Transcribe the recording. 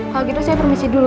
kalau gitu saya permisi dulu